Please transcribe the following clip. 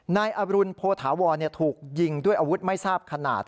นายอรุณโพธาวรถูกยิงด้วยอาวุธไม่ทราบขนาด